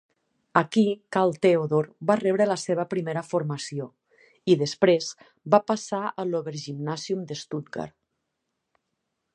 Aquí Karl Theodor va rebre la seva primera formació, i després va passar a l'Obergymnasium de Stuttgart.